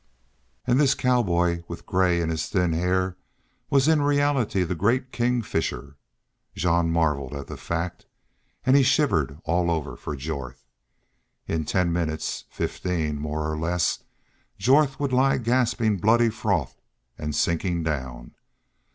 And this cowboy with gray in his thin hair was in reality the great King Fisher! Jean marveled at the fact. And he shivered all over for Jorth. In ten minutes fifteen, more or less, Jorth would lie gasping bloody froth and sinking down.